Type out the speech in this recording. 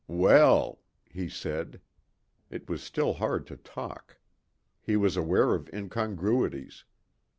"Well," he said. It was still hard to talk. He was aware of incongruities.